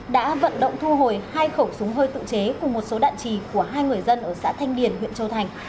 đã vận động thu hồi hai khẩu súng hơi tự chế cùng một số đạn trì của hai người dân ở xã thanh điền huyện châu thành